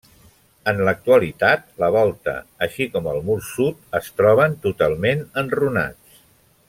En l'actualitat, la volta, així com el mur sud, es troben totalment enrunats.